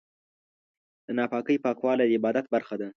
د ناپاکۍ پاکوالی د عبادت برخه ده.